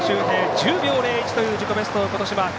１０秒０１という自己ベストをマーク。